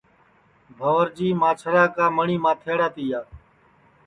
بھنٚورجی مانٚچھرا کا مٹؔی ماتھیڑا تِیا